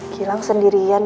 gilang sendirian ya